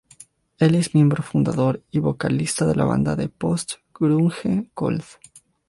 Él es el miembro fundador y vocalista de la banda de post-grunge Cold.